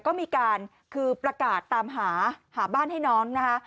ก็มีการคือประกาศตามหาหาบ้านให้น้องนะคะ